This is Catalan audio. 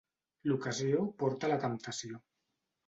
L'ocasió porta la temptació.